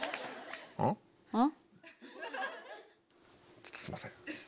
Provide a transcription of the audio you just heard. ちょっとすいません。